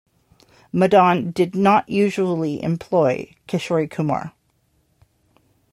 Madan did not usually employ Kishore Kumar.